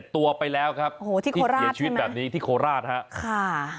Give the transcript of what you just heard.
๑๑๗ตัวไปแล้วครับที่เขียนชีวิตแบบนี้ที่โคราชครับ